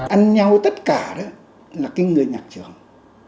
ăn nhau tất cả đó là cái người nhạc trưởng